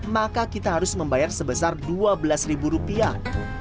maka kita harus membayar sebesar dua belas ribu rupiah